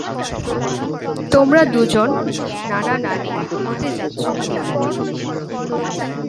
তোমরা দুজন নানা-নানী হতে যাচ্ছ।